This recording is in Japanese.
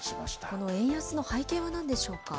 この円安の背景はなんでしょうか。